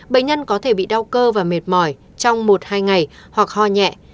bệnh nhân có thể bị đau cơ và mệt mỏi trong một hai ngày hoặc ho nhẹ